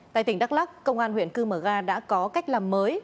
tại tỉnh đắk lắc công an huyện cư mờ ga đã có cách làm mới